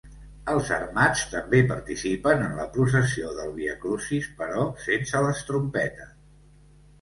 Els Armats també participen en la processó del Via Crucis, però sense les trompetes.